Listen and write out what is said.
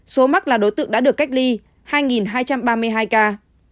số mắc là đối tượng đã được cách ly hai hai trăm ba mươi hai ca